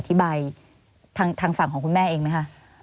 ถิบายทางฝั่งของคุณแม่อะไรเลย